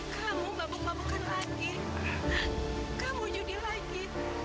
kamu babuk mabukan lagi kamu judi lagi